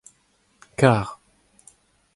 kar.